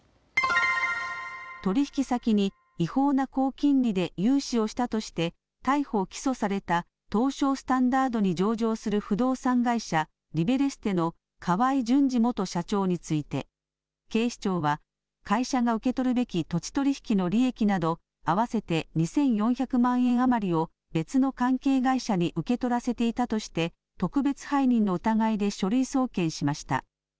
取引先に違法な高金利で融資をしたとして逮捕・起訴された東証スタンダードに上場する不動産会社、リベレステの河合純二元社長について警視庁は会社が受け取るべき土地取り引きの利益など合わせて２４００万円余りを別の関係会社に受け取らせていたとして特別背任の疑いで書類送検しました。